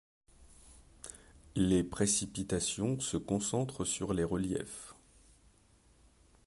Les précipitations se concentrent sur les reliefs.